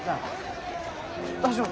大丈夫？